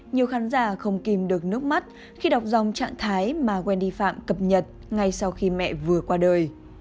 nhiều khán giả không kìm được nước mắt khi đọc dòng trạng thái mà wendy phạm cập nhật ngay sau khi mẹ vừa qua đời